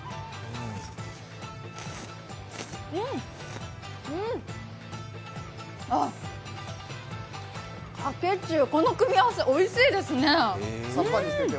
うん！あっ、かけ中、この組み合わせおいしいですね。